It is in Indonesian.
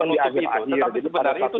di akhir akhir itu